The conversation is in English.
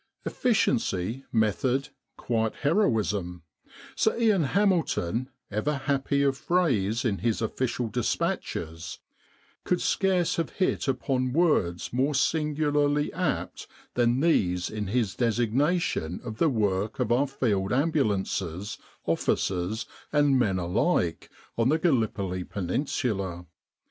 " Efficiency, method, quiet heroism" Sir Ian Hamilton, ever happy of phrase in his official dispatches, could scarce have hit upon words more singularly apt than these in his designation of the work of our Field Ambulances, officers and men alike, on the Gallipoli Peninsula.